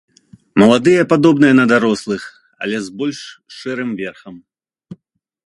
Маладыя падобныя на дарослых, але з больш шэрым верхам.